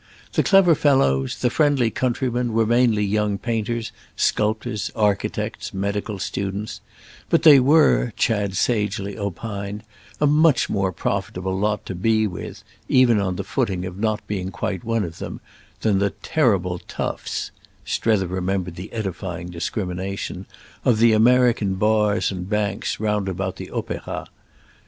The clever fellows, the friendly countrymen were mainly young painters, sculptors, architects, medical students; but they were, Chad sagely opined, a much more profitable lot to be with—even on the footing of not being quite one of them—than the "terrible toughs" (Strether remembered the edifying discrimination) of the American bars and banks roundabout the Opéra.